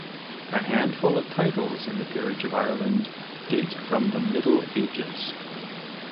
A handful of titles in the peerage of Ireland date from the Middle Ages.